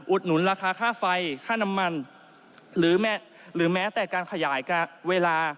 หนุนราคาค่าไฟค่าน้ำมันหรือแม้แต่การขยายเวลา